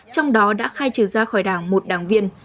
trong đó đã khai trừ ra khỏi đảng một đảng viên